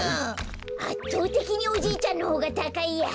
あっとうてきにおじいちゃんのほうがたかいや。